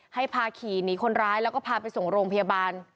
ให้พาขี่หนีคนร้ายแล้วก็พาไปส่งโรงพยาบาล